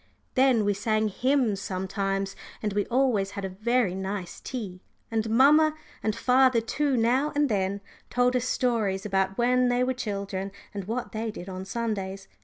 Then we sang hymns sometimes, and we always had a very nice tea, and mamma, and father too now and then, told us stories about when they were children and what they did on Sundays.